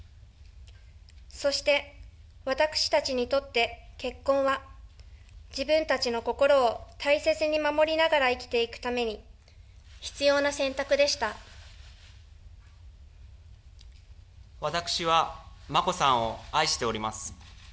そして、私たちにとって、結婚は自分たちの心を大切に守りながら生きていくために、必要な私は、眞子さんを愛しております。